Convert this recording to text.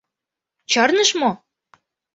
Чарныш мо?